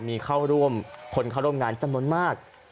มีเข้าร่วมคนเข้าร่วมงานจำนวนมาก